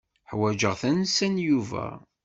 Ḥwaǧeɣ tansa n Yuba.